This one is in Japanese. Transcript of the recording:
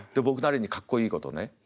僕なりにかっこいいことをね。